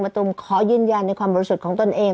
มาตุมขอยืนยันในความรู้สึกของตนเอง